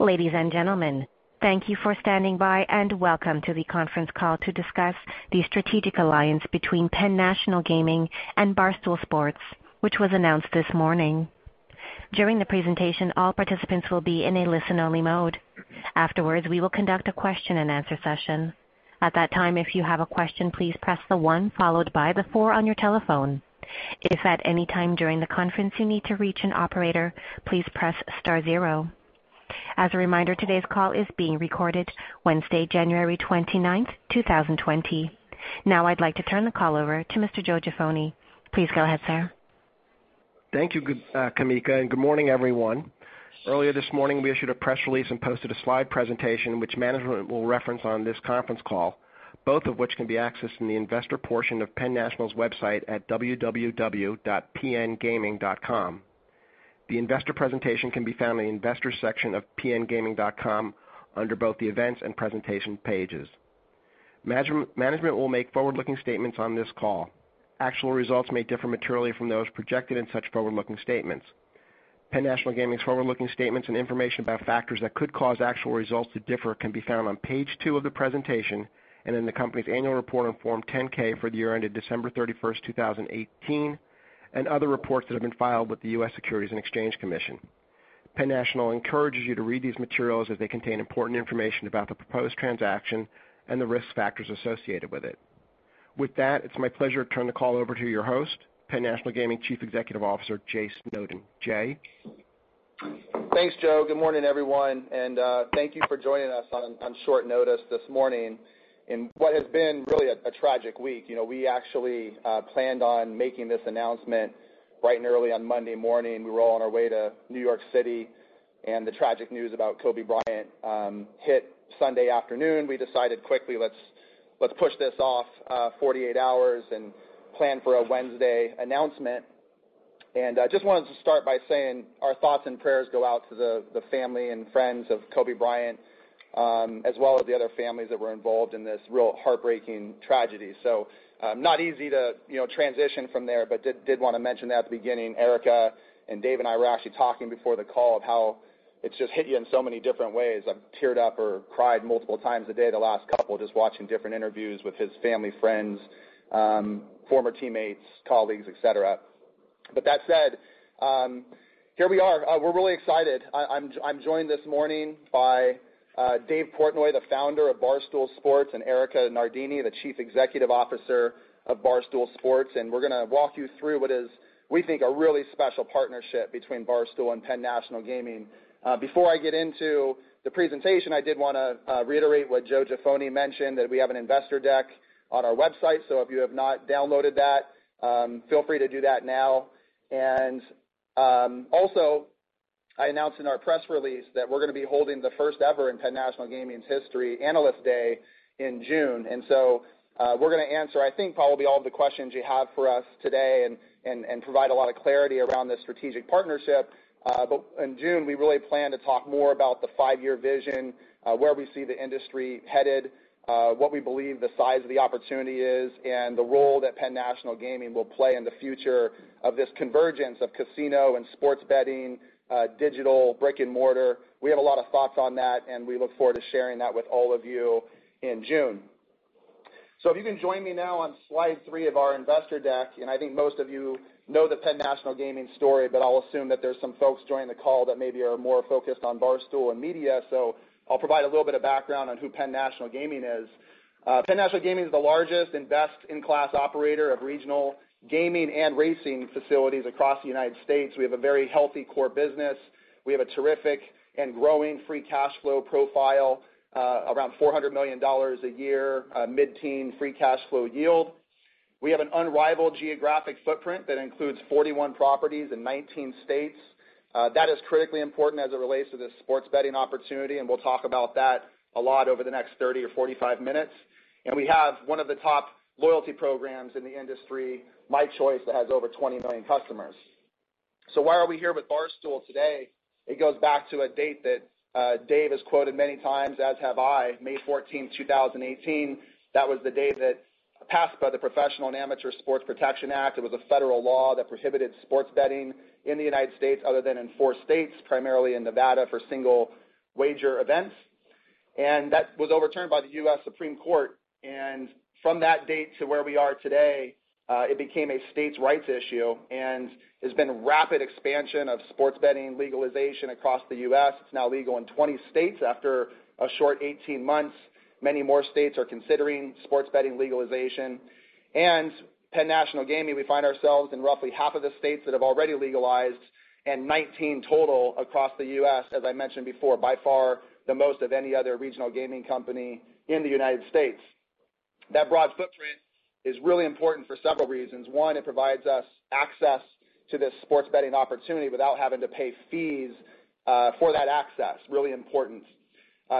Ladies and gentlemen, thank you for standing by, and welcome to the conference call to discuss the strategic alliance between Penn National Gaming and Barstool Sports, which was announced this morning. During the presentation, all participants will be in a listen-only mode. Afterwards, we will conduct a question-and-answer session. At that time, if you have a question, please press the one followed by the four on your telephone. If at any time during the conference you need to reach an operator, please press star zero. As a reminder, today's call is being recorded Wednesday, January 29th, 2020. Now I'd like to turn the call over to Mr. Joe Jaffoni. Please go ahead, sir. Thank you, Kamika, and good morning, everyone. Earlier this morning, we issued a press release and posted a slide presentation which management will reference on this conference call, both of which can be accessed in the investor portion of Penn National's website at www.pngaming.com. The investor presentation can be found in the investor section of pngaming.com under both the Events and Presentation pages. Management will make forward-looking statements on this call. Actual results may differ materially from those projected in such forward-looking statements. Penn National Gaming's forward-looking statements and information about factors that could cause actual results to differ can be found on page two of the presentation and in the company's annual report on Form 10-K for the year ended December 31st, 2018, and other reports that have been filed with the U.S. Securities and Exchange Commission. Penn National encourages you to read these materials as they contain important information about the proposed transaction and the risk factors associated with it. With that, it's my pleasure to turn the call over to your host, Penn National Gaming Chief Executive Officer, Jay Snowden. Jay? Thanks, Joe. Good morning, everyone. Thank you for joining us on short notice this morning in what has been really a tragic week. We actually planned on making this announcement bright and early on Monday morning. We were all on our way to New York City. The tragic news about Kobe Bryant hit Sunday afternoon. We decided quickly, let's push this off 48 hours and plan for a Wednesday announcement. I just wanted to start by saying our thoughts and prayers go out to the family and friends of Kobe Bryant, as well as the other families that were involved in this real heartbreaking tragedy. Not easy to transition from there, but did want to mention that at the beginning. Erika and Dave and I were actually talking before the call of how it's just hit you in so many different ways. I've teared up or cried multiple times a day the last couple, just watching different interviews with his family, friends, former teammates, colleagues, et cetera. That said, here we are. We're really excited. I'm joined this morning by Dave Portnoy, the Founder of Barstool Sports, and Erika Nardini, the Chief Executive Officer of Barstool Sports, and we're going to walk you through what is, we think, a really special partnership between Barstool and Penn National Gaming. Before I get into the presentation, I did want to reiterate what Joe Jaffoni mentioned, that we have an investor deck on our website. If you have not downloaded that, feel free to do that now. Also, I announced in our press release that we're going to be holding the first ever, in Penn National Gaming's history, Analyst Day in June. We're going to answer, I think, probably all of the questions you have for us today and provide a lot of clarity around this strategic partnership. In June, we really plan to talk more about the five-year vision, where we see the industry headed, what we believe the size of the opportunity is, and the role that Penn National Gaming will play in the future of this convergence of casino and sports betting, digital, brick and mortar. We have a lot of thoughts on that, and we look forward to sharing that with all of you in June. If you can join me now on slide three of our investor deck, I think most of you know the Penn National Gaming story, but I'll assume that there's some folks joining the call that maybe are more focused on Barstool and media, I'll provide a little bit of background on who Penn National Gaming is. Penn National Gaming is the largest and best-in-class operator of regional gaming and racing facilities across the United States We have a very healthy core business. We have a terrific and growing free cash flow profile, around $400 million a year, mid-teen free cash flow yield. We have an unrivaled geographic footprint that includes 41 properties in 19 states. That is critically important as it relates to this sports betting opportunity, we'll talk about that a lot over the next 30 or 45 minutes. We have one of the top loyalty programs in the industry, mychoice, that has over 20 million customers. Why are we here with Barstool today? It goes back to a date that Dave has quoted many times, as have I, May 14th, 2018. That was the day that PASPA, the Professional and Amateur Sports Protection Act, it was a federal law that prohibited sports betting in the United States other than in four states, primarily in Nevada, for single wager events. That was overturned by the U.S. Supreme Court. From that date to where we are today, it became a states' rights issue, and there's been rapid expansion of sports betting legalization across the U.S. it's now legal in 20 states after a short 18 months. Many more states are considering sports betting legalization. Penn National Gaming, we find ourselves in roughly half of the states that have already legalized and 19 total across the U.S., as I mentioned before, by far the most of any other regional gaming company in the United States. That broad footprint is really important for several reasons. One, it provides us access to this sports betting opportunity without having to pay fees for that access, really important.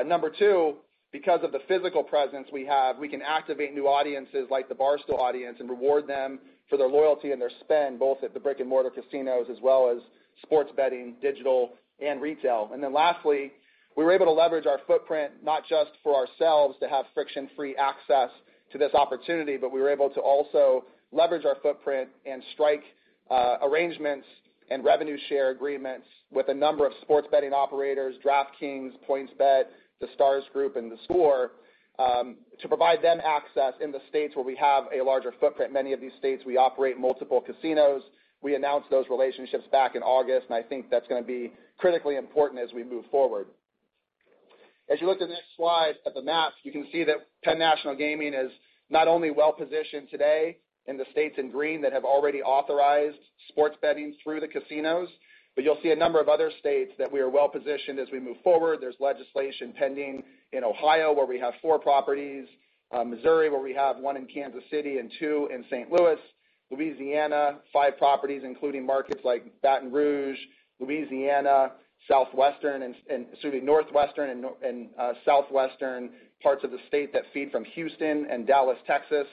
Number two, because of the physical presence we have, we can activate new audiences, like the Barstool audience, and reward them for their loyalty and their spend, both at the brick-and-mortar casinos as well as sports betting, digital, and retail. Lastly, we were able to leverage our footprint not just for ourselves to have friction-free access to this opportunity, but we were able to also leverage our footprint and strike arrangements and revenue share agreements with a number of sports betting operators, DraftKings, PointsBet, The Stars Group, and theScore, to provide them access in the states where we have a larger footprint. Many of these states, we operate multiple casinos, we announced those relationships back in August. I think that's going to be critically important as we move forward. You look at the next slide at the map, you can see that Penn National Gaming is not only well-positioned today in the states in green that have already authorized sports betting through the casinos, but you'll see a number of other states that we are well-positioned as we move forward. There's legislation pending in Ohio, where we have four properties, Missouri, where we have one in Kansas City and two in St. Louis. Louisiana, five properties, including markets like Baton Rouge, Louisiana, Northwestern, and Southwestern parts of the state that feed from Houston and Dallas, Texas,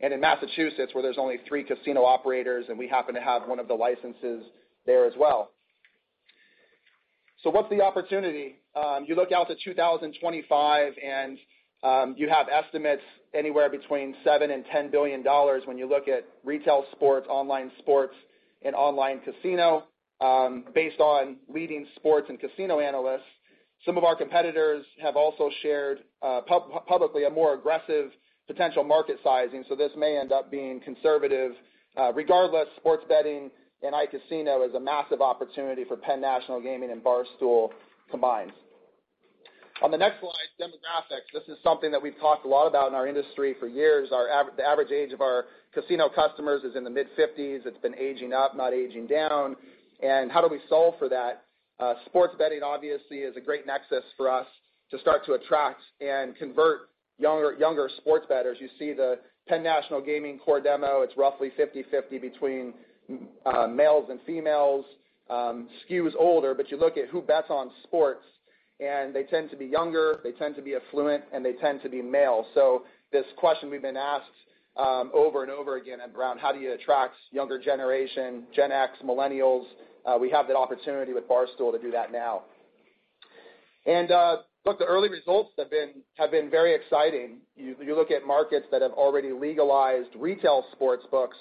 and in Massachusetts, where there's only three casino operators, and we happen to have one of the licenses there as well. What's the opportunity? You look out to 2025 and you have estimates anywhere between $7 billion and $10 billion when you look at retail sports, online sports, and online casino, based on leading sports and casino analysts. Some of our competitors have also shared, publicly, a more aggressive potential market sizing, so this may end up being conservative. Regardless, sports betting and iCasino is a massive opportunity for Penn National Gaming and Barstool combined. On the next slide, demographics. This is something that we've talked a lot about in our industry for years. The average age of our casino customers is in the mid-50s. It's been aging up, not aging down. How do we solve for that? Sports betting obviously is a great nexus for us to start to attract and convert younger sports bettors. You see the Penn National Gaming core demo, it's roughly 50/50 between males and females. Skews older, but you look at who bets on sports, and they tend to be younger, they tend to be affluent, and they tend to be male. This question we've been asked over and over again around how do you attract younger generation, Gen X, Millennials, we have that opportunity with Barstool to do that now. Look, the early results have been very exciting. You look at markets that have already legalized retail sportsbooks,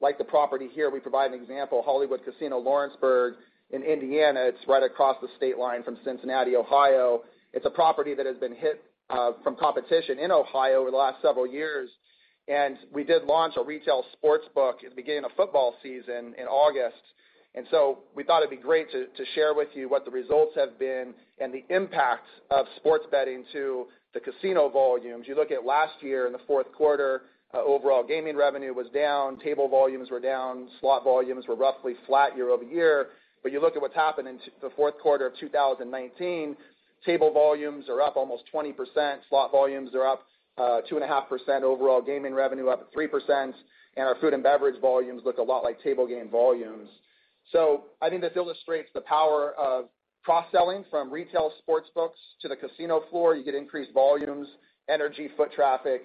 like the property here, we provide an example, Hollywood Casino Lawrenceburg in Indiana. It's right across the state line from Cincinnati, Ohio. It's a property that has been hit from competition in Ohio over the last several years, and we did launch a retail sportsbook at the beginning of football season in August. We thought it'd be great to share with you what the results have been and the impact of sports betting to the casino volumes. You look at last year in the fourth quarter, overall gaming revenue was down, table volumes were down, slot volumes were roughly flat year-over-year. You look at what's happened in the fourth quarter of 2019, table volumes are up almost 20%, slot volumes are up 2.5%, overall gaming revenue up 3%, and our food and beverage volumes look a lot like table game volumes. I think this illustrates the power of cross-selling from retail sports books to the casino floor. You get increased volumes, energy, foot traffic,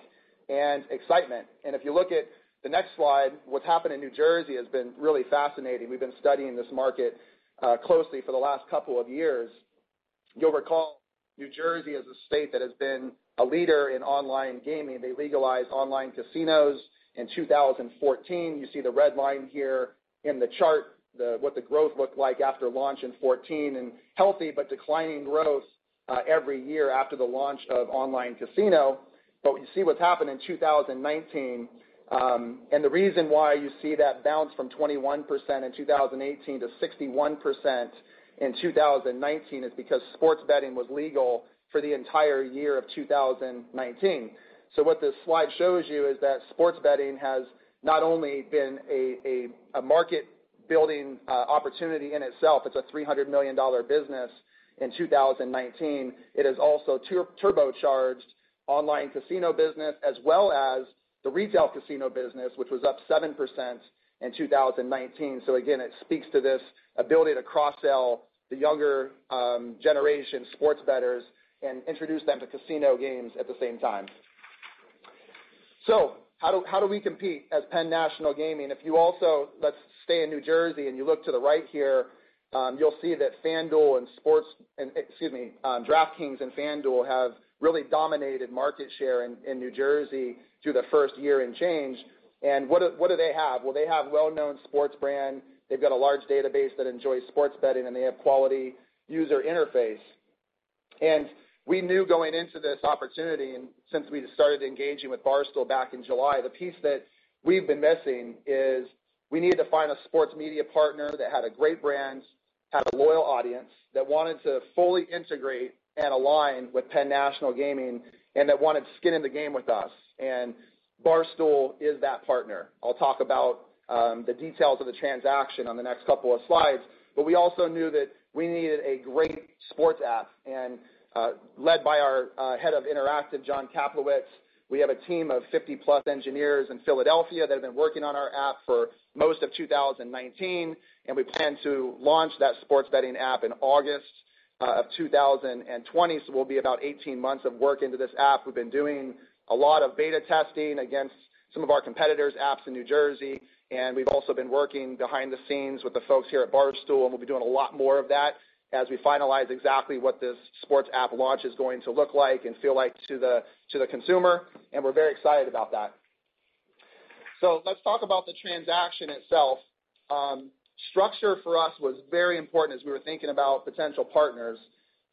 and excitement. If you look at the next slide, what's happened in New Jersey has been really fascinating. We've been studying this market closely for the last couple of years. You'll recall New Jersey is a state that has been a leader in online gaming. They legalized online casinos in 2014. You see the red line here in the chart, what the growth looked like after launch in 2014, and healthy but declining growth every year after the launch of online casino. You see what's happened in 2019. The reason why you see that bounce from 21% in 2018 to 61% in 2019 is because sports betting was legal for the entire year of 2019. What this slide shows you is that sports betting has not only been a market-building opportunity in itself, it's a $300 million business in 2019. It has also turbocharged online casino business as well as the retail casino business, which was up 7% in 2019. Again, it speaks to this ability to cross-sell the younger generation sports bettors and introduce them to casino games at the same time. How do we compete as Penn National Gaming? If you also, let's stay in New Jersey, and you look to the right here, you'll see that DraftKings and FanDuel have really dominated market share in New Jersey through the first year and change. What do they have? Well, they have well-known sports brand. They've got a large database that enjoys sports betting, and they have quality user interface. We knew going into this opportunity, and since we started engaging with Barstool back in July, the piece that we've been missing is we needed to find a sports media partner that had a great brand, had a loyal audience, that wanted to fully integrate and align with Penn National Gaming, and that wanted skin in the game with us. Barstool is that partner. I'll talk about the details of the transaction on the next couple of slides. We also knew that we needed a great sports app and, led by our Head of Interactive, Jon Kaplowitz, we have a team of 50+ engineers in Philadelphia that have been working on our app for most of 2019, and we plan to launch that sports betting app in August of 2020, so we'll be about 18 months of work into this app, we've been doing a lot of beta testing against some of our competitor's apps in New Jersey. We've also been working behind the scenes with the folks here at Barstool, and we'll be doing a lot more of that as we finalize exactly what this sports app launch is going to look like and feel like to the consumer. We're very excited about that. Let's talk about the transaction itself. Structure for us was very important as we were thinking about potential partners.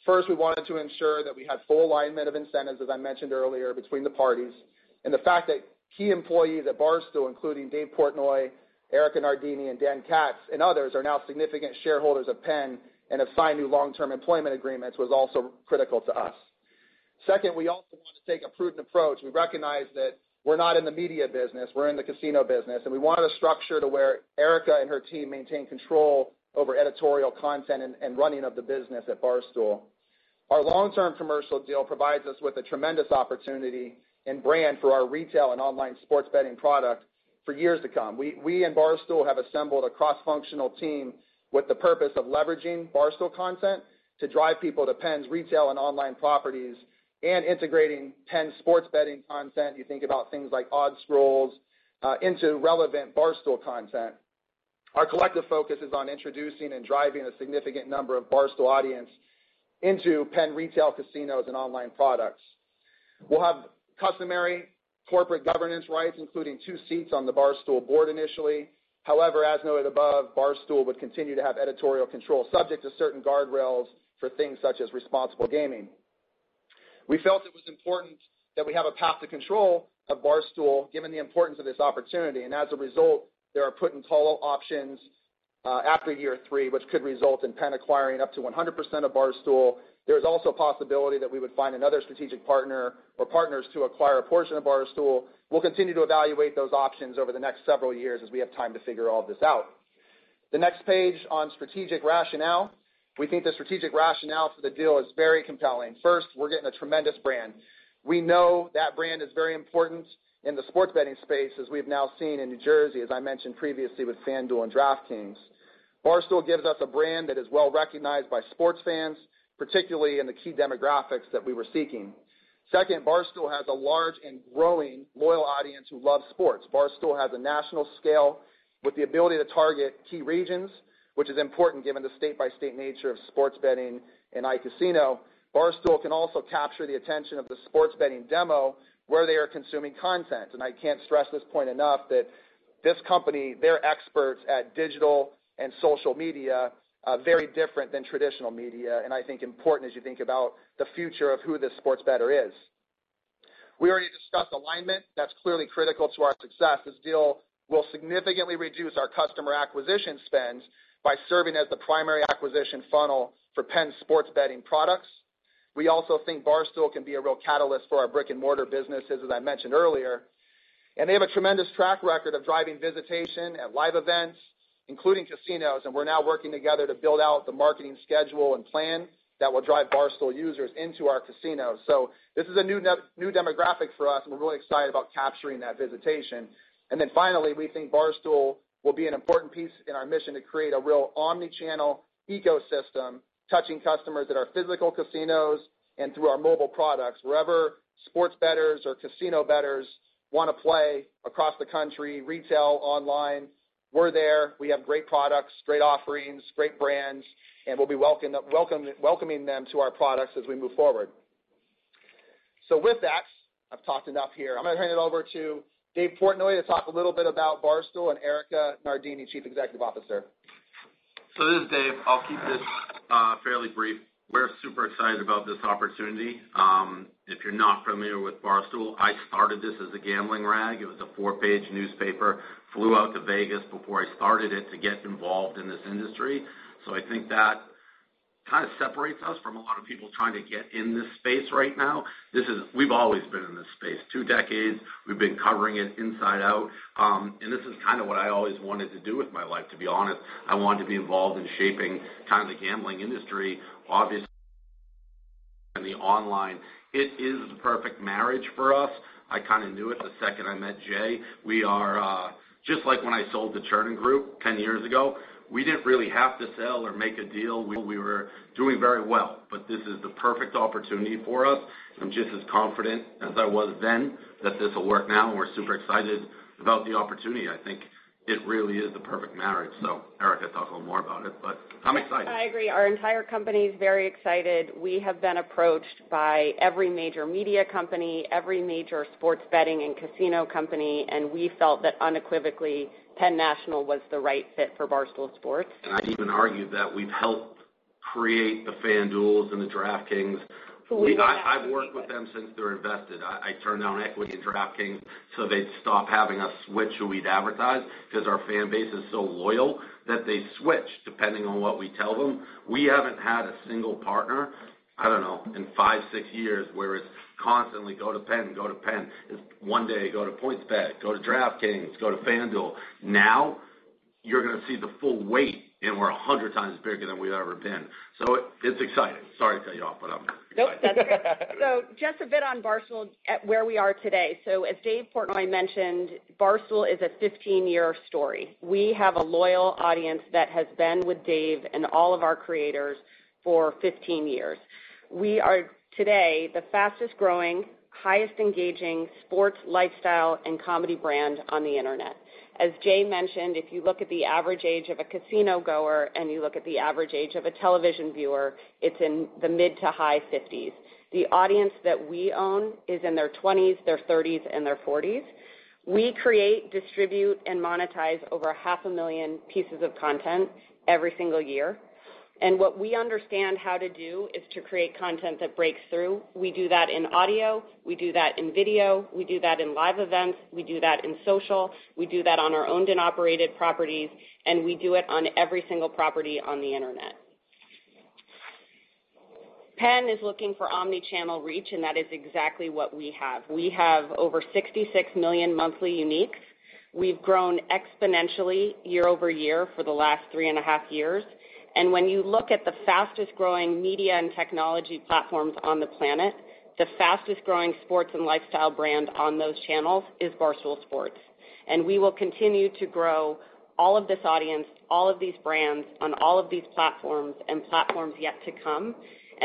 First, we wanted to ensure that we had full alignment of incentives, as I mentioned earlier, between the parties. The fact that key employees at Barstool, including Dave Portnoy, Erika Nardini, and Dan Katz, and others, are now significant shareholders of Penn and have signed new long-term employment agreements was also critical to us. Second, we also want to take a prudent approach. We recognize that we're not in the media business, we're in the casino business, and we wanted a structure to where Erika and her team maintain control over editorial content and running of the business at Barstool. Our long-term commercial deal provides us with a tremendous opportunity and brand for our retail and online sports betting product for years to come. We and Barstool have assembled a cross-functional team with the purpose of leveraging Barstool content to drive people to Penn's retail and online properties and integrating Penn sports betting content. You think about things like odds scrolls into relevant Barstool content. Our collective focus is on introducing and driving a significant number of Barstool audience into Penn retail casinos and online products. We'll have customary corporate governance rights, including two seats on the Barstool board initially. However, as noted above, Barstool would continue to have editorial control, subject to certain guardrails for things such as responsible gaming. We felt it was important that we have a path to control of Barstool, given the importance of this opportunity. As a result, there are put and call options after year three, which could result in Penn acquiring up to 100% of Barstool. There is also a possibility that we would find another strategic partner or partners to acquire a portion of Barstool. We'll continue to evaluate those options over the next several years as we have time to figure all this out. The next page on strategic rationale. We think the strategic rationale for the deal is very compelling. First, we're getting a tremendous brand. We know that brand is very important in the sports betting space, as we've now seen in New Jersey, as I mentioned previously, with FanDuel and DraftKings. Barstool gives us a brand that is well recognized by sports fans, particularly in the key demographics that we were seeking. Second, Barstool has a large and growing loyal audience who loves sports. Barstool has a national scale with the ability to target key regions, which is important given the state-by-state nature of sports betting and iCasino. Barstool can also capture the attention of the sports betting demo where they are consuming content. I can't stress this point enough that this company, they're experts at digital and social media, very different than traditional media, and I think important as you think about the future of who this sports bettor is. We already discussed alignment. That's clearly critical to our success. This deal will significantly reduce our customer acquisition spends by serving as the primary acquisition funnel for Penn sports betting products. We also think Barstool can be a real catalyst for our brick-and-mortar businesses, as I mentioned earlier. They have a tremendous track record of driving visitation at live events, including casinos, and we're now working together to build out the marketing schedule and plan that will drive Barstool users into our casinos. This is a new demographic for us, and we're really excited about capturing that visitation. Then finally, we think Barstool will be an important piece in our mission to create a real omni-channel ecosystem, touching customers at our physical casinos and through our mobile products. Wherever sports bettors or casino bettors want to play across the country, retail, online, we're there. We have great products, great offerings, great brands, and we'll be welcoming them to our products as we move forward. With that, I've talked enough here. I'm going to turn it over to Dave Portnoy to talk a little bit about Barstool and Erika Nardini, Chief Executive Officer. This is Dave. I'll keep this fairly brief. We're super excited about this opportunity. If you're not familiar with Barstool, I started this as a gambling rag. It was a four-page newspaper, flew out to Vegas before I started it to get involved in this industry. I think that kind of separates us from a lot of people trying to get in this space right now. We've always been in this space. Two decades, we've been covering it inside out. This is kind of what I always wanted to do with my life, to be honest. I wanted to be involved in shaping the gambling industry, obviously, and the online. It is the perfect marriage for us. I kind of knew it the second I met Jay. Just like when I sold The Chernin Group 10 years ago, we didn't really have to sell or make a deal. We were doing very well. This is the perfect opportunity for us. I'm just as confident as I was then that this will work now, and we're super excited about the opportunity. I think it really is the perfect marriage. Erika, talk a little more about it, but I'm excited. I agree. Our entire company is very excited. We have been approached by every major media company, every major sports betting and casino company, we felt that unequivocally, Penn National was the right fit for Barstool Sports. I'd even argue that we've helped create the FanDuel and the DraftKings. I've worked with them since they're invested. I turned down equity in DraftKings so they'd stop having us switch who we'd advertise because our fan base is so loyal that they switch depending on what we tell them. We haven't had a single partner, I don't know, in five, six years where it's constantly, go to Penn, go to Penn. It's one day, go to PointsBet, go to DraftKings, go to FanDuel. You're going to see the full weight, and we're 100x bigger than we've ever been. It's exciting. Sorry to cut you off, but I'm excited. Nope, that's okay. Just a bit on Barstool, where we are today. As Dave Portnoy mentioned, Barstool is a 15-year story. We have a loyal audience that has been with Dave and all of our creators for 15 years. We are today the fastest-growing, highest engaging sports, lifestyle, and comedy brand on the Internet. As Jay mentioned, if you look at the average age of a casino goer and you look at the average age of a television viewer, it's in the mid to high 50s. The audience that we own is in their 20s, their 30s, and their 40s. We create, distribute, and monetize over 500,000 pieces of content every single year. What we understand how to do is to create content that breaks through. We do that in audio, we do that in video, we do that in live events, we do that in social, we do that on our owned and operated properties, and we do it on every single property on the Internet. Penn is looking for omni-channel reach. That is exactly what we have. We have over 66 million monthly uniques. We've grown exponentially year-over-year for the last 3.5 years. When you look at the fastest-growing media and technology platforms on the planet, the fastest-growing sports and lifestyle brand on those channels is Barstool Sports. We will continue to grow all of this audience, all of these brands on all of these platforms and platforms yet to come.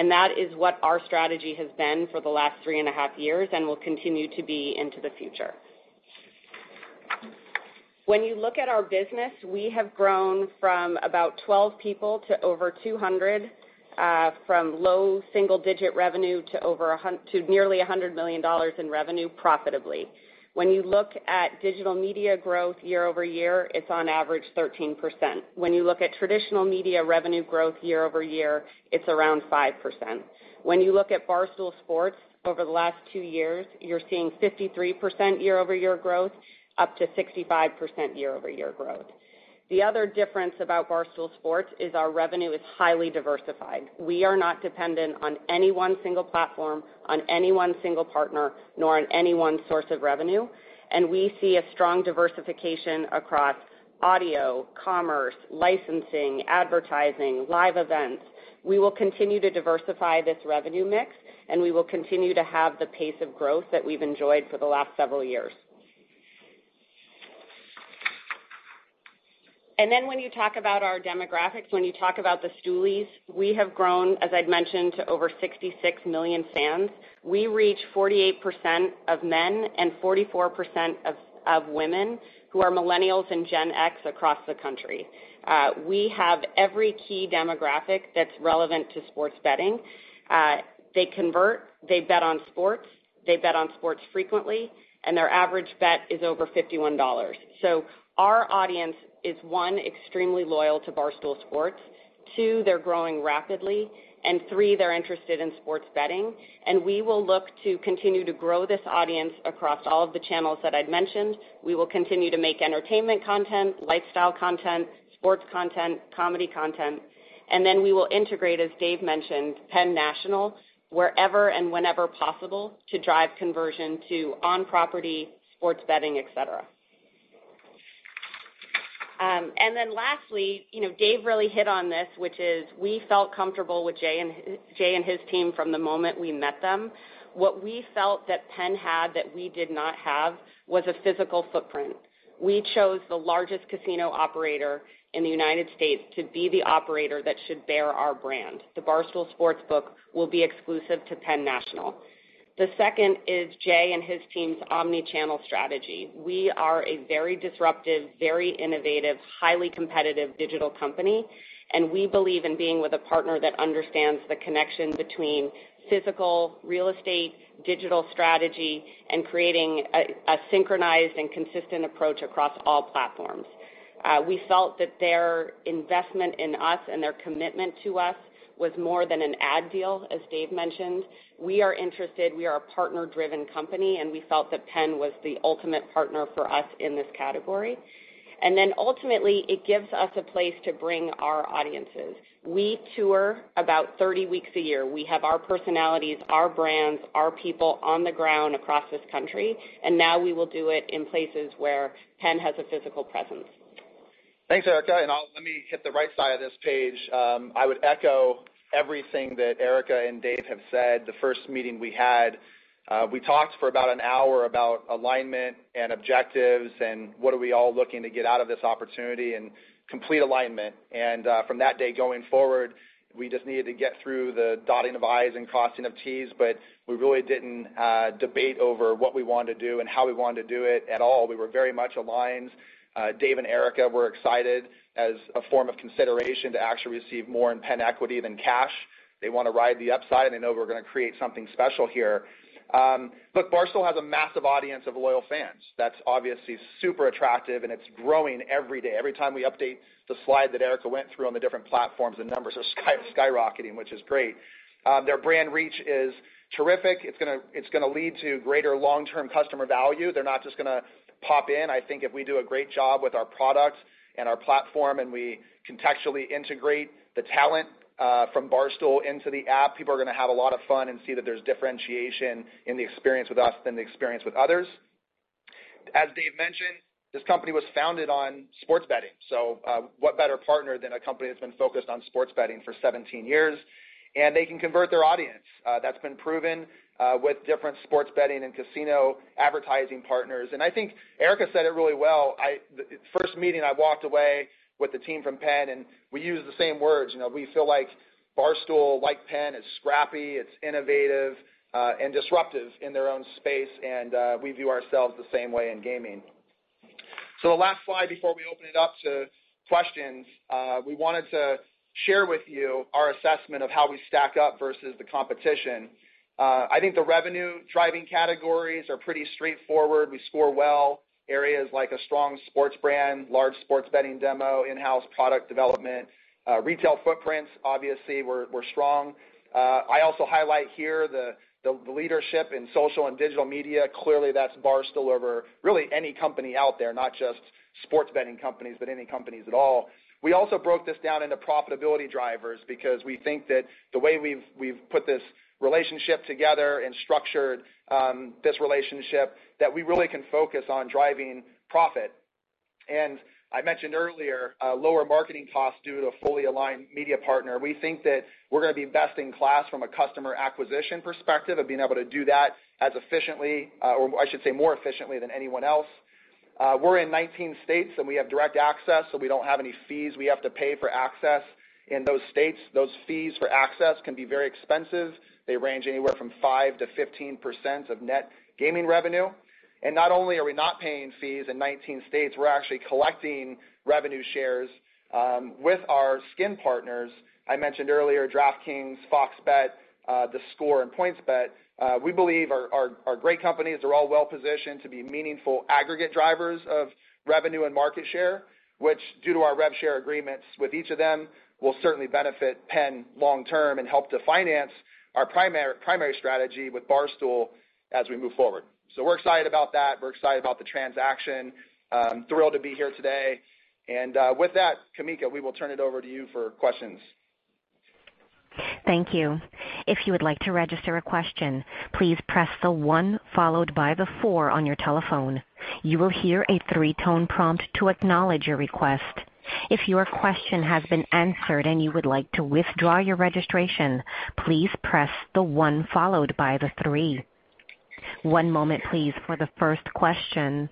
That is what our strategy has been for the last 3.5 Years and will continue to be into the future. When you look at our business, we have grown from about 12 people to over 200, from low single-digit revenue to nearly $100 million in revenue profitably. When you look at digital media growth year-over-year, it's on average 13%. When you look at traditional media revenue growth year-over-year, it's around 5%. When you look at Barstool Sports over the last two years, you're seeing 53% year-over-year growth, up to 65% year-over-year growth. The other difference about Barstool Sports is our revenue is highly diversified. We are not dependent on any one single platform, on any one single partner, nor on any one source of revenue. We see a strong diversification across audio, commerce, licensing, advertising, live events. We will continue to diversify this revenue mix, and we will continue to have the pace of growth that we've enjoyed for the last several years. When you talk about our demographics, when you talk about the Stoolies, we have grown, as I'd mentioned, to over 66 million fans. We reach 48% of men and 44% of women who are Millennials and Gen X across the country. We have every key demographic that's relevant to sports betting. They convert, they bet on sports, they bet on sports frequently, and their average bet is over $51. Our audience is, one, extremely loyal to Barstool Sports, two, they're growing rapidly, and three, they're interested in sports betting. We will look to continue to grow this audience across all of the channels that I'd mentioned. We will continue to make entertainment content, lifestyle content, sports content, comedy content, and then we will integrate, as Dave mentioned, Penn National wherever and whenever possible to drive conversion to on-property sports betting, et cetera. Lastly, Dave really hit on this, which is we felt comfortable with Jay and his team from the moment we met them. What we felt that Penn had that we did not have was a physical footprint. We chose the largest casino operator in the United States to be the operator that should bear our brand. The Barstool Sportsbook will be exclusive to Penn National. The second is Jay and his team's omni-channel strategy. We are a very disruptive, very innovative, highly competitive digital company, and we believe in being with a partner that understands the connection between physical real estate, digital strategy, and creating a synchronized and consistent approach across all platforms. We felt that their investment in us and their commitment to us was more than an ad deal, as Dave mentioned. We are interested. We are a partner-driven company, and we felt that Penn was the ultimate partner for us in this category. Ultimately, it gives us a place to bring our audiences. We tour about 30 weeks a year. We have our personalities, our brands, our people on the ground across this country, and now we will do it in places where Penn has a physical presence. Thanks, Erika. Let me hit the right side of this page. I would echo everything that Erika and Dave have said. The first meeting we had, we talked for about an hour about alignment and objectives and what are we all looking to get out of this opportunity, and complete alignment. From that day going forward, we just needed to get through the dotting of I's and crossing of T's. We really didn't debate over what we wanted to do and how we wanted to do it at all. We were very much aligned. Dave and Erika were excited as a form of consideration to actually receive more in Penn equity than cash. They want to ride the upside. They know we're going to create something special here. Barstool has a massive audience of loyal fans that's obviously super attractive. It's growing every day. Every time we update the slide that Erika went through on the different platforms, the numbers are skyrocketing, which is great. Their brand reach is terrific. It's going to lead to greater long-term customer value. They're not just going to pop in. I think if we do a great job with our products and our platform, and we contextually integrate the talent from Barstool into the app, people are going to have a lot of fun and see that there's differentiation in the experience with us than the experience with others. As Dave mentioned, this company was founded on sports betting. What better partner than a company that's been focused on sports betting for 17 years? They can convert their audience. That's been proven with different sports betting and casino advertising partners, and I think Erika said it really well. The first meeting, I walked away with the team from Penn, and we used the same words. We feel like Barstool, like Penn, is scrappy, it's innovative, and disruptive in their own space. We view ourselves the same way in gaming. The last slide before we open it up to questions. We wanted to share with you our assessment of how we stack up versus the competition. I think the revenue-driving categories are pretty straightforward. We score well. Areas like a strong sports brand, large sports betting demo, in-house product development, retail footprints, obviously, we're strong. I also highlight here the leadership in social and digital media. Clearly, that's Barstool over really any company out there, not just sports betting companies, but any companies at all. We also broke this down into profitability drivers because we think that the way we've put this relationship together and structured this relationship, that we really can focus on driving profit. I mentioned earlier, lower marketing costs due to a fully aligned media partner. We think that we're going to be best in class from a customer acquisition perspective of being able to do that as efficiently, or I should say more efficiently than anyone else. We're in 19 states, and we have direct access, so we don't have any fees we have to pay for access in those states. Those fees for access can be very expensive. They range anywhere from 5%-15% of net gaming revenue. Not only are we not paying fees in 19 states, we're actually collecting revenue shares with our skin partners. I mentioned earlier DraftKings, FOX Bet, theScore, and PointsBet. We believe are great companies. They're all well-positioned to be meaningful aggregate drivers of revenue and market share, which, due to our rev share agreements with each of them, will certainly benefit Penn long term and help to finance our primary strategy with Barstool as we move forward. We're excited about that. We're excited about the transaction. I'm thrilled to be here today. With that, Kamika, we will turn it over to you for questions. Thank you. If you would like to register a question, please press the one followed by the four on your telephone. You will hear a three-tone prompt to acknowledge your request. If your question has been answered and you would like to withdraw your registration, please press the one followed by the three. One moment please for the first question.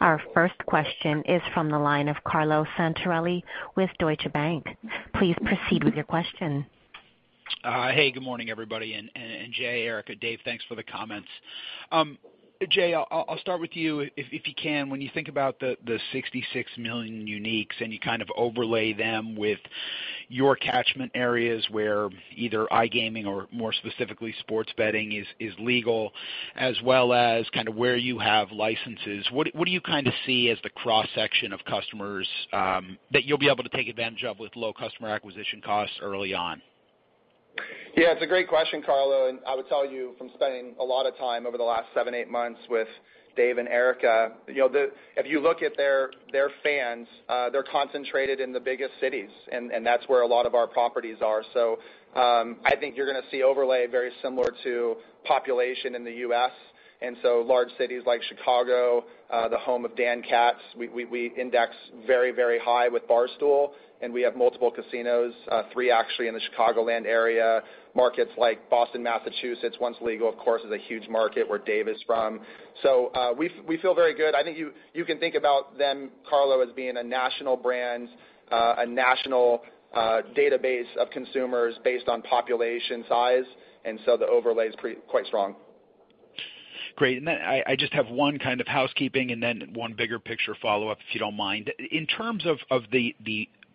Our first question is from the line of Carlo Santarelli with Deutsche Bank. Please proceed with your question. Hey, good morning, everybody. Jay, Erika, Dave, thanks for the comments. Jay, I'll start with you. If you can, when you think about the 66 million uniques and you overlay them with your catchment areas where either iGaming or more specifically sports betting is legal, as well as where you have licenses, what do you see as the cross-section of customers that you'll be able to take advantage of with low customer acquisition costs early on? Yeah, it's a great question, Carlo, I would tell you from spending a lot of time over the last seven, eight months with Dave and Erika, if you look at their fans, they're concentrated in the biggest cities, That's where a lot of our properties are. I think you're going to see overlay very similar to population in the U.S., Large cities like Chicago, the home of Dan Katz, we index very, very high with Barstool, We have multiple casinos, three actually in the Chicagoland area. Markets like Boston, Massachusetts, once legal, of course, is a huge market where Dave is from. We feel very good. I think you can think about them, Carlo, as being a national brand, a national database of consumers based on population size, The overlay is quite strong. Great. I just have one kind of housekeeping and then one bigger picture follow-up, if you don't mind. In terms of the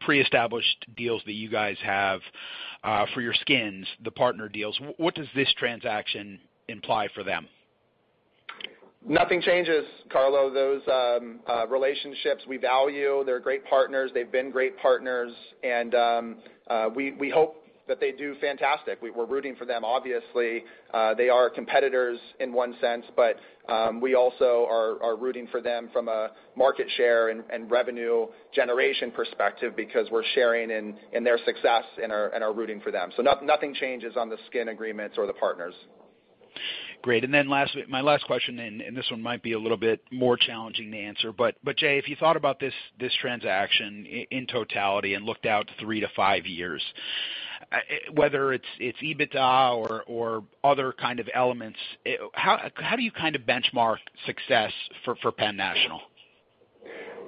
pre-established deals that you guys have for your skins, the partner deals, what does this transaction imply for them? Nothing changes, Carlo. Those relationships we value. They're great partners. They've been great partners and we hope that they do fantastic. We're rooting for them. Obviously, they are competitors in one sense, but we also are rooting for them from a market share and revenue generation perspective because we're sharing in their success and are rooting for them. Nothing changes on the skin agreements or the partners. Great. My last question then, and this one might be a little bit more challenging to answer, but Jay, if you thought about this transaction in totality and looked out three to five years, whether it's EBITDA or other kind of elements, how do you benchmark success for Penn National?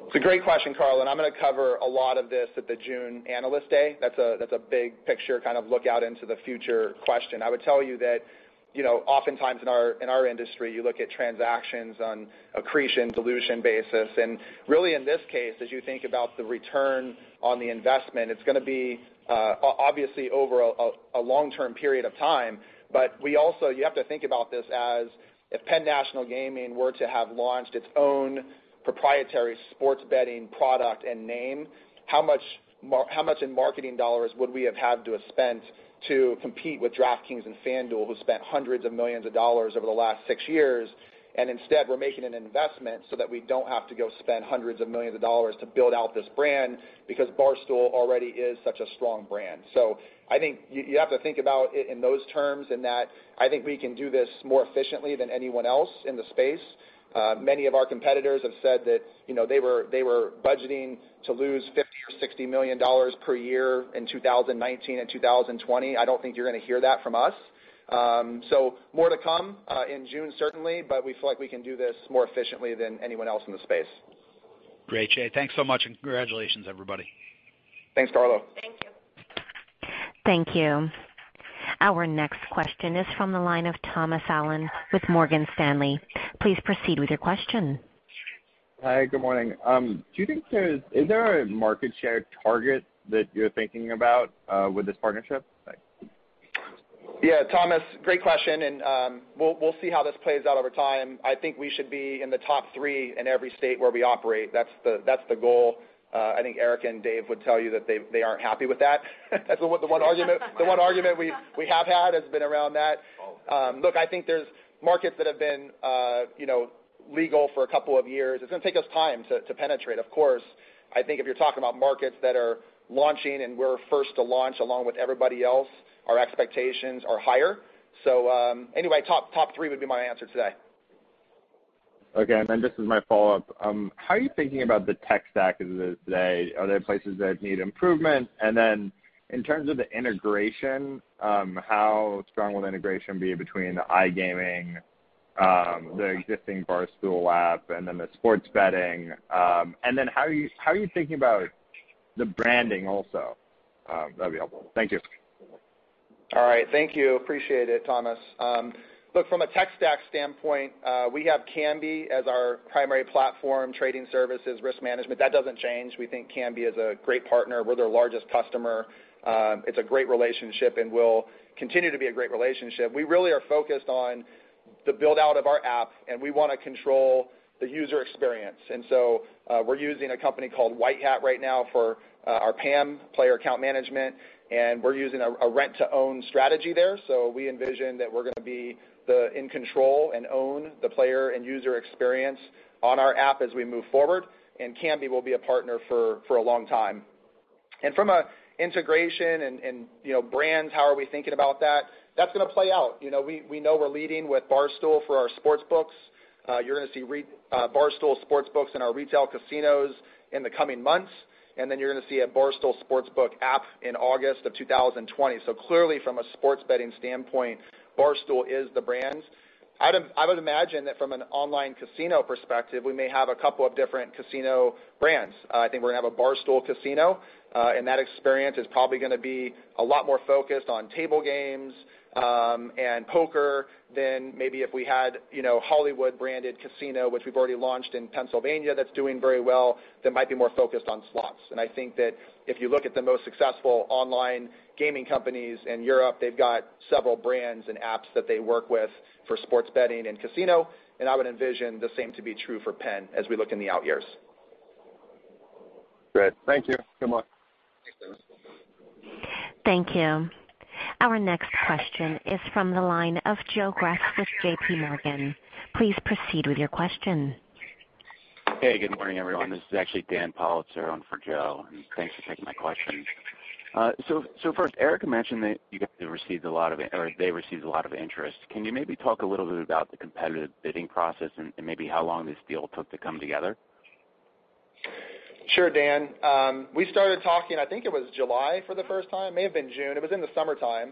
It's a great question, Carlo, and I'm going to cover a lot of this at the June Analyst Day. That's a big picture kind of look out into the future question. I would tell you that oftentimes in our industry, you look at transactions on accretion, dilution basis, and really in this case, as you think about the return on the investment, it's going to be obviously over a long-term period of time. But you have to think about this as if Penn National Gaming were to have launched its own proprietary sports betting product and name, how much in marketing dollars would we have had to have spent to compete with DraftKings and FanDuel, who've spent $hundreds of millions of dollars over the last six years? Instead, we're making an investment so that we don't have to go spend hundreds of millions of dollars to build out this brand because Barstool already is such a strong brand. I think you have to think about it in those terms, in that I think we can do this more efficiently than anyone else in the space. Many of our competitors have said that they were budgeting to lose $50 million or $60 million per year in 2019 and 2020. I don't think you're going to hear that from us. More to come in June, certainly, but we feel like we can do this more efficiently than anyone else in the space. Great, Jay. Thanks so much. Congratulations, everybody. Thanks, Carlo. Thank you. Our next question is from the line of Thomas Allen with Morgan Stanley. Please proceed with your question. Hi. Good morning. Is there a market share target that you're thinking about with this partnership? Thanks. Thomas, great question, and we'll see how this plays out over time. I think we should be in the top three in every state where we operate. That's the goal. I think Erika and Dave would tell you that they aren't happy with that. The one argument we have had has been around that. Look, I think there's markets that have been legal for a couple of years. It's going to take us time to penetrate, of course. I think if you're talking about markets that are launching and we're first to launch along with everybody else, our expectations are higher. Anyway, top three would be my answer today. Okay. This is my follow-up. How are you thinking about the tech stack as of today? Are there places that need improvement? In terms of the integration, how strong will the integration be between the iGaming, the existing Barstool app, and then the sports betting? How are you thinking about the branding also? That'd be helpful. Thank you. Thank you. Appreciate it, Thomas. From a tech stack standpoint, we have Kambi as our primary platform, trading services, risk management. That doesn't change. We think Kambi is a great partner. We're their largest customer. It's a great relationship and will continue to be a great relationship. We really are focused on the build-out of our app, and we want to control the user experience. We're using a company called White Hat right now for our PAM, player account management, and we're using a rent-to-own strategy there. We envision that we're going to be in control and own the player and user experience on our app as we move forward, and Kambi will be a partner for a long time. From an integration and brands, how are we thinking about that? That's going to play out. We know we're leading with Barstool for our sports books. You're going to see Barstool Sportsbooks in our retail casinos in the coming months. Then you're going to see a Barstool Sportsbook app in August of 2020. Clearly, from a sports betting standpoint, Barstool is the brand. I would imagine that from an online casino perspective, we may have a couple of different casino brands. I think we're going to have a Barstool Casino, and that experience is probably going to be a lot more focused on table games and poker than maybe if we had Hollywood branded casino, which we've already launched in Pennsylvania, that's doing very well, that might be more focused on slots. I think that if you look at the most successful online gaming companies in Europe, they've got several brands and apps that they work with for sports betting and casino, and I would envision the same to be true for Penn as we look in the out years. Great. Thank you. Good luck. Thank you. Our next question is from the line of Joe Greff with JPMorgan. Please proceed with your question. Hey, good morning, everyone. This is actually Dan Politzer on for Joe, and thanks for taking my question. First, Erika mentioned that they received a lot of interest. Can you maybe talk a little bit about the competitive bidding process and maybe how long this deal took to come together? Sure, Dan. We started talking, I think it was July for the first time. May have been June. It was in the summertime.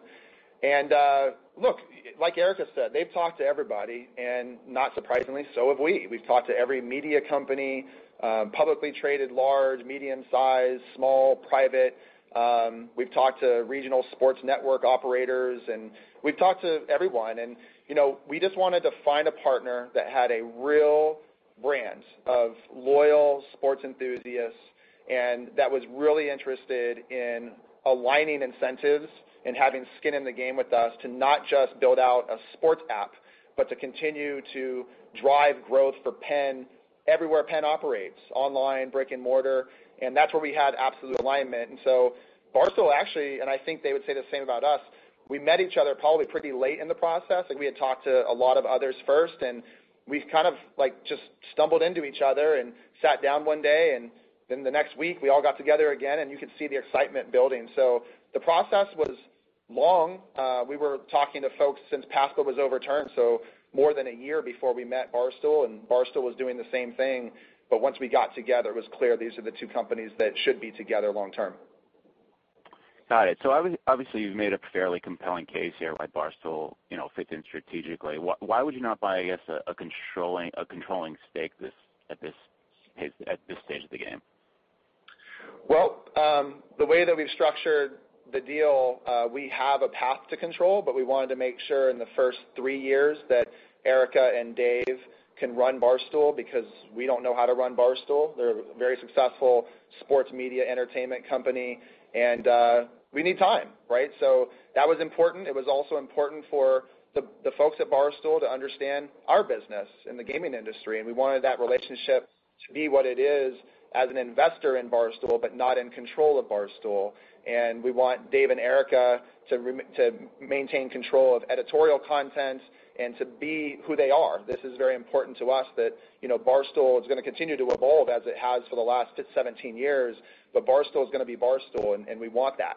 Look, like Erika said, they've talked to everybody. Not surprisingly, so have we. We've talked to every media company, publicly traded, large, medium size, small, private. We've talked to regional sports network operators. We've talked to everyone. We just wanted to find a partner that had a real brand of loyal sports enthusiasts and that was really interested in aligning incentives and having skin in the game with us to not just build out a sports app, but to continue to drive growth for Penn everywhere Penn operates, online, brick and mortar. That's where we had absolute alignment. Barstool actually, and I think they would say the same about us, we met each other probably pretty late in the process. We had talked to a lot of others first, and we've kind of just stumbled into each other and sat down one day, and then the next week, we all got together again, and you could see the excitement building. The process was long. We were talking to folks since PASPA was overturned, so more than a year before we met Barstool, and Barstool was doing the same thing. Once we got together, it was clear these are the two companies that should be together long term. Got it. Obviously, you've made a fairly compelling case here why Barstool fits in strategically. Why would you not buy, I guess, a controlling stake at this stage of the game? Well, the way that we've structured the deal, we have a path to control, but we wanted to make sure in the first three years that Erika and Dave can run Barstool because we don't know how to run Barstool. They're a very successful sports media entertainment company, and we need time, right? That was important. It was also important for the folks at Barstool to understand our business in the gaming industry, and we wanted that relationship to be what it is as an investor in Barstool, but not in control of Barstool. We want Dave and Erika to maintain control of editorial content and to be who they are. This is very important to us that Barstool is going to continue to evolve as it has for the last 17 years, but Barstool is going to be Barstool, and we want that.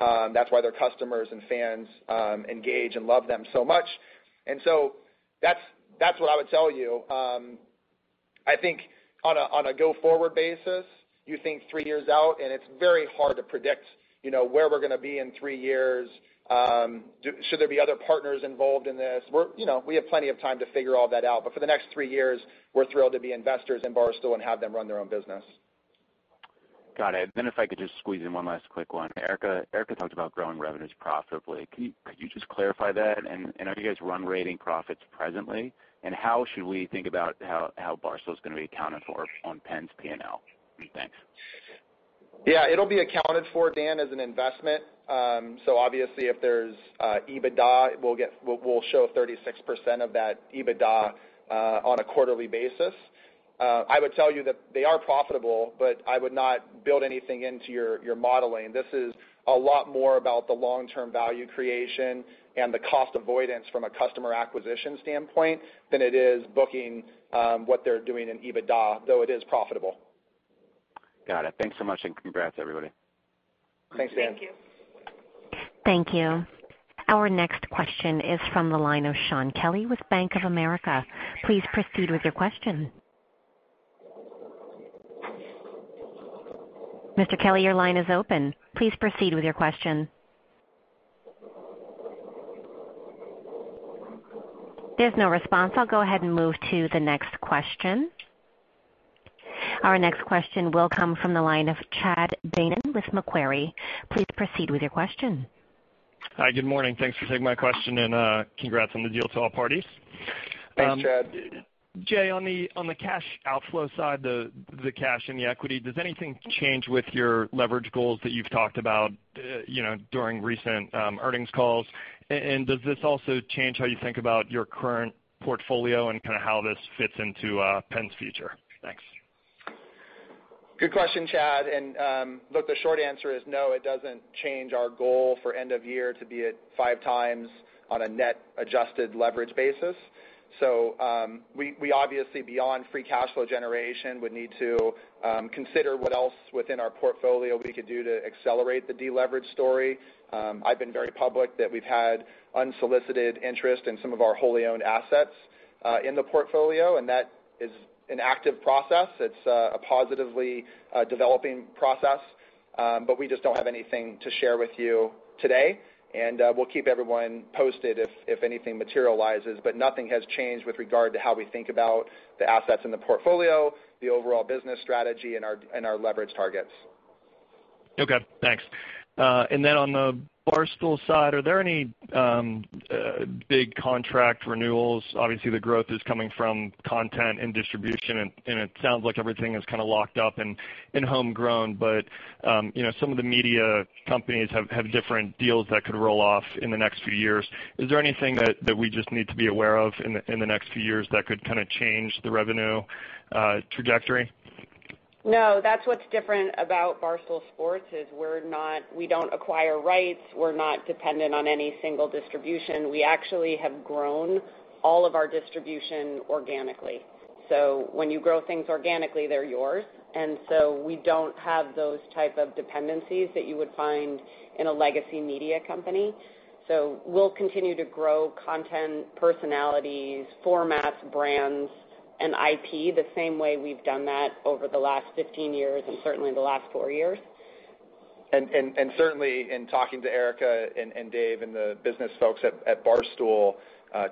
That's why their customers and fans engage and love them so much. That's what I would tell you. I think on a go-forward basis, you think three years out, and it's very hard to predict where we're going to be in three years. Should there be other partners involved in this? We have plenty of time to figure all that out. For the next three years, we're thrilled to be investors in Barstool and have them run their own business. Got it. If I could just squeeze in one last quick one. Erika talked about growing revenues profitably. Could you just clarify that? Are you guys run-rating profits presently? How should we think about how Barstool is going to be accounted for on Penn's P&L? Thanks. Yeah, it'll be accounted for, Dan, as an investment. Obviously if there's EBITDA, we'll show 36% of that EBITDA on a quarterly basis. I would tell you that they are profitable, but I would not build anything into your modeling. This is a lot more about the long-term value creation and the cost avoidance from a customer acquisition standpoint than it is booking what they're doing in EBITDA, though it is profitable. Got it. Thanks so much and congrats everybody. Thanks, Dan. Thank you. Thank you. Our next question is from the line of Shaun Kelley with Bank of America. Please proceed with your question. Mr. Kelley, your line is open. Please proceed with your question. There's no response. I'll go ahead and move to the next question. Our next question will come from the line of Chad Beynon with Macquarie. Please proceed with your question. Hi, good morning. Thanks for taking my question and congrats on the deal to all parties. Thanks, Chad. Jay, on the cash outflow side, the cash and the equity, does anything change with your leverage goals that you've talked about during recent earnings calls? Does this also change how you think about your current portfolio and kind of how this fits into Penn's future? Thanks. Good question, Chad. Look, the short answer is no, it doesn't change our goal for end of year to be at 5x on a net adjusted leverage basis. We obviously, beyond free cash flow generation, would need to consider what else within our portfolio we could do to accelerate the deleverage story. I've been very public that we've had unsolicited interest in some of our wholly owned assets in the portfolio, and that is an active process. It's a positively developing process. We just don't have anything to share with you today. We'll keep everyone posted if anything materializes. Nothing has changed with regard to how we think about the assets in the portfolio, the overall business strategy, and our leverage targets. Okay, thanks. On the Barstool side, are there any big contract renewals? Obviously, the growth is coming from content and distribution, and it sounds like everything is kind of locked up and homegrown, but some of the media companies have different deals that could roll off in the next few years. Is there anything that we just need to be aware of in the next few years that could kind of change the revenue trajectory? No. That's what's different about Barstool Sports, is we don't acquire rights. We're not dependent on any single distribution. We actually have grown all of our distribution organically. When you grow things organically, they're yours. We don't have those type of dependencies that you would find in a legacy media company. We'll continue to grow content, personalities, formats, brands, and IP the same way we've done that over the last 15 years, and certainly the last four years. Certainly in talking to Erika and Dave and the business folks at Barstool,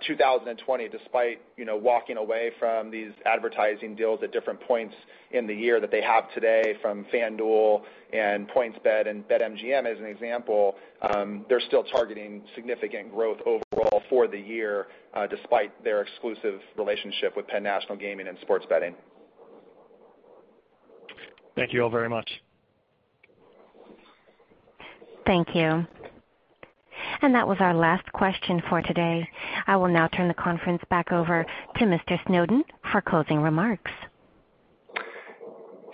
2020, despite walking away from these advertising deals at different points in the year that they have today from FanDuel and PointsBet and BetMGM, as an example, they're still targeting significant growth overall for the year, despite their exclusive relationship with Penn National Gaming and sports betting. Thank you all very much. Thank you. That was our last question for today. I will now turn the conference back over to Mr. Snowden for closing remarks.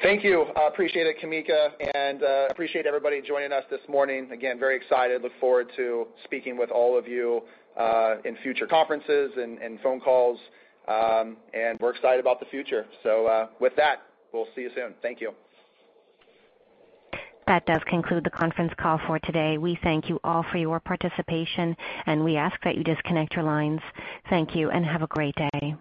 Thank you. I appreciate it, Kamika, and appreciate everybody joining us this morning. Again, very excited. Look forward to speaking with all of you in future conferences and phone calls. We're excited about the future. With that, we'll see you soon. Thank you. That does conclude the conference call for today. We thank you all for your participation, and we ask that you disconnect your lines. Thank you and have a great day.